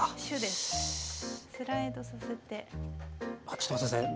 ちょっと待って下さい。